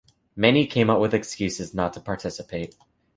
Many came up with excuses not to participate.